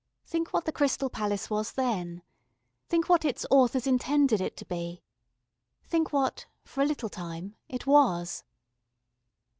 Think what the Crystal Palace was then. Think what its authors intended it to be. Think what, for a little time, it was.